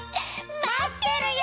まってるよ！